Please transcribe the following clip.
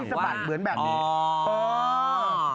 และที่สะบัดเหมือนแบบนี้